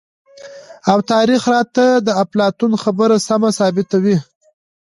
او تاريخ راته د اپلاتون خبره سمه ثابته وي،